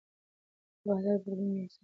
د بازار بدلون مې احساس کړ.